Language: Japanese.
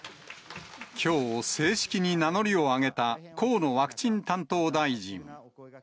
きょう、正式に名乗りを上げた河野ワクチン担当大臣。